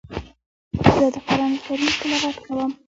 زه د قران کریم تلاوت کوم.